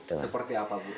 seperti apa bu